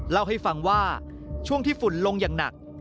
เล่าให้ฟังว่าช่วงที่ฝุ่นลงอย่างหนัก